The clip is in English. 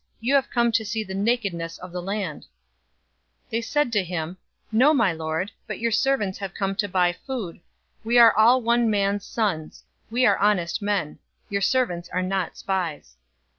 You have come to see the nakedness of the land." 042:010 They said to him, "No, my lord, but your servants have come to buy food. 042:011 We are all one man's sons; we are honest men. Your servants are not spies."